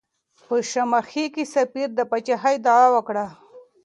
په شماخي کې سفیر د پاچاهۍ دعوه وکړه.